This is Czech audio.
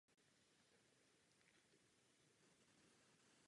Zde byl rovněž odsouzen k trestu smrti.